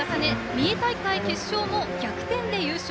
三重大会決勝も逆転で優勝。